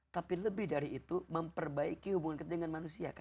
tapi lebih dari itu memperbaiki hubungan kita dengan manusia kan